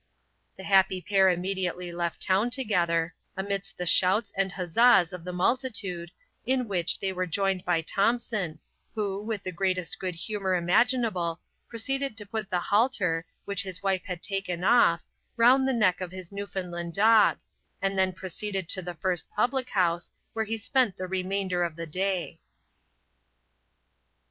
The happy pair immediately left town together, amidst the shouts and huzzas of the multitude, in which they were joined by Thompson, who, with the greatest good humor imaginable, proceeded to put the halter, which his wife had taken off, round the neck of his Newfoundland dog, and then proceeded to the first public house, where he spent the remainder of the day."